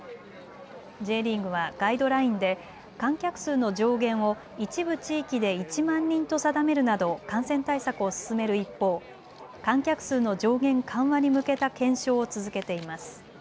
Ｊリーグはガイドラインで観客数の上限を一部地域で１万人と定めるなど感染対策を進める一方、観客数の上限緩和に向けた検証を続けています。